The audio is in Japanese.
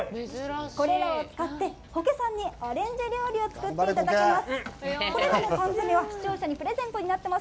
これらを使って、保家さんにアレンジ料理を作っていただきます。